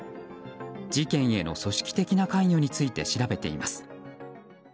事件への組織的な関与について調べています。